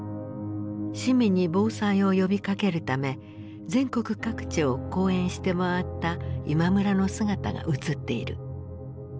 市民に防災を呼びかけるため全国各地を講演して回った今村の姿が映っている。